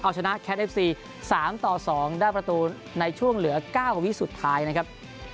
เอาชนะแคทเอฟซี๓ต่อ๒ได้ประตูในช่วงเหลือ๙วิสุดท้ายนะครับ